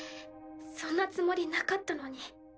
そんなつもりなかったのに。